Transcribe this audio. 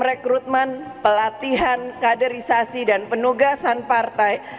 rekrutmen pelatihan kaderisasi dan penugasan partai